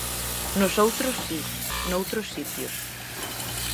Nosoutros, si, noutros sitios.